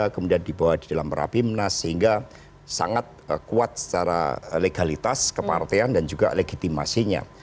kemudian dibawa di dalam rapimnas sehingga sangat kuat secara legalitas kepartean dan juga legitimasinya